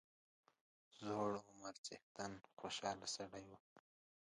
زوړ عمر څښتن خوشاله سړی وو.